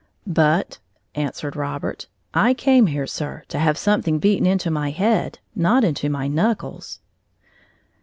"But," answered Robert, "I came here, Sir, to have something beaten into my head, not into my knuckles."